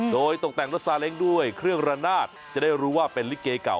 โดยตกแต่งรถซาเล้งด้วยเครื่องระนาดจะได้รู้ว่าเป็นลิเกเก่า